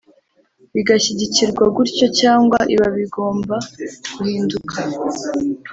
bigashyigikirwa gutyo cyangwa iba bigomba guhinduka